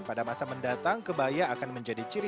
pada masa mendatang kebaya akan menjadi ciri